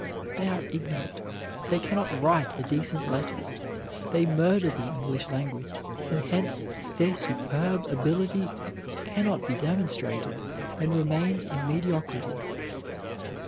They are ignorant. They can not write a decent letter. They murder the English language, and hence their superb ability cannot be demonstrated, and remains in mediocrity.